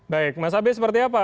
baik mas abe seperti apa